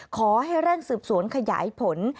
ขอให้เร่งสืบสวนขยายผล